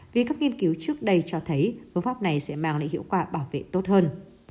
vì các nghiên cứu trước đây cho thấy phương pháp này sẽ mang lại hiệu quả bảo vệ tốt hơn